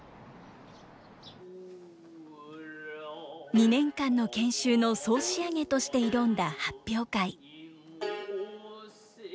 ２年間の研修の総仕上げとして挑んだ発表会。